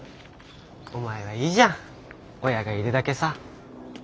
お前はいいじゃん親がいるだけさ。